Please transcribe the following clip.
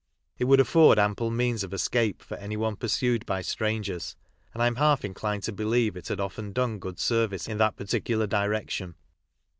It would afford ample means of escape for anyone pursued by strangers, and I am half inclined to believe it had often done good service in that particular direction.